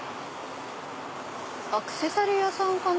アクセサリー屋さんかな？